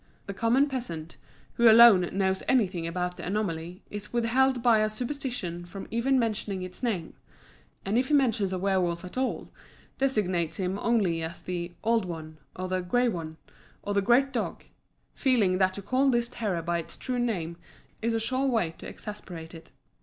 The common peasant, who alone knows anything about the anomaly, is withheld by superstition from even mentioning its name; and if he mentions a werwolf at all, designates him only as the "old one," or the "grey one," or the "great dog," feeling that to call this terror by its true name is a sure way to exasperate it.